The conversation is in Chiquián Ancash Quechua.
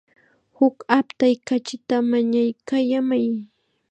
Huk aptay kachita mañaykallamay.